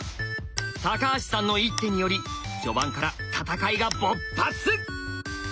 橋さんの一手により序盤から戦いが勃発！